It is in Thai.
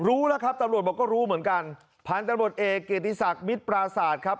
รู้ละครับตำรวจบอกว่ารู้เหมือนกันพันต์ตำรวจเอกเกรษฐิสักมิตรประสาทครับ